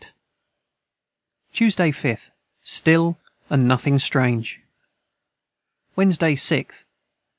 ] Tuesday 5th. Stil & Nothing strange. Wednesday 6th.